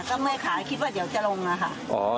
ก็เมื่อยขาคิดว่าเดี๋ยวจะลงอ่ะค่ะ